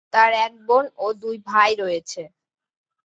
তার এক বোন ও দুই ভাই রয়েছে।